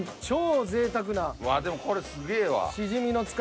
わっでもこれすげぇわ。